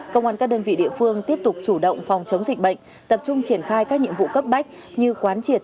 công an các đơn vị địa phương tiếp tục chủ động phòng chống dịch bệnh tập trung triển khai các nhiệm vụ cấp bách như quán triệt